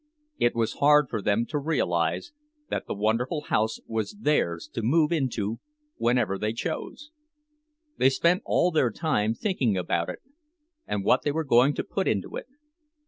It was hard for them to realize that the wonderful house was theirs to move into whenever they chose. They spent all their time thinking about it, and what they were going to put into it.